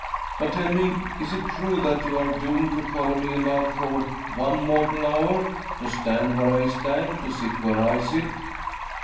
But, tell me, is it true that you are doomed to follow me about for one mortal hour to stand where I stand, to sit where I sit?"